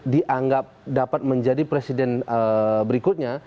dianggap dapat menjadi presiden berikutnya